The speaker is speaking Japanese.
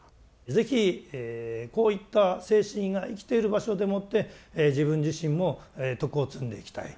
是非こういった精神が生きている場所でもって自分自身も徳を積んでいきたい。